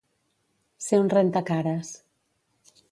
Ser un rentacares.